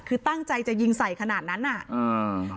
คือตั้งใจจะยิงใส่ขนาดนั้นอ่ะอ่า